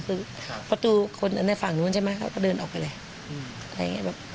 คือประตูคนในฝั่งนู้นใช่ไหมเขาก็เดินออกไปเลยอะไรอย่างนี้แบบ